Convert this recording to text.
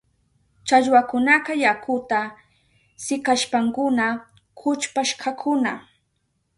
Challwakunaka yakuta sikashpankuna kuchpashkakuna.